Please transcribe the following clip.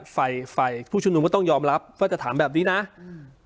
ไฟไฟผู้ชุมนุมก็ต้องยอมรับว่าจะถามแบบนี้นะอืม